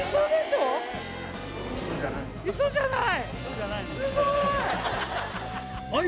うそじゃない。